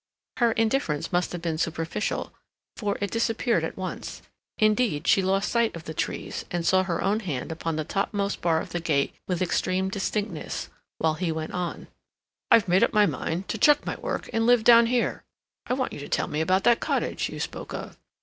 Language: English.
Her indifference must have been superficial, for it disappeared at once. Indeed, she lost sight of the trees, and saw her own hand upon the topmost bar of the gate with extreme distinctness, while he went on: "I've made up my mind to chuck my work and live down here. I want you to tell me about that cottage you spoke of.